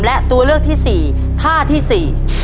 และตัวเลือกที่สี่ท่าที่สี่